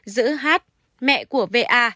giữ h mẹ của v a